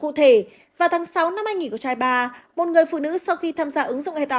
cụ thể vào tháng sáu năm anh nghỉ của trai bà một người phụ nữ sau khi tham gia ứng dụng hẹn hò